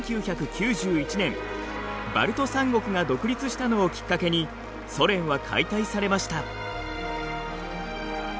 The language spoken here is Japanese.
１９９１年バルト３国が独立したのをきっかけにソ連は解体されました。